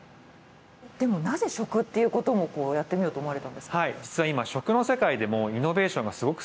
でもなぜ「食」っていうこともやってみようと思われたんですか。